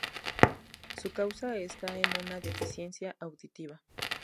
Su causa está en una deficiencia auditiva.